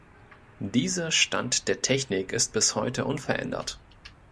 Dieser Stand der Technik ist bis heute unverändert.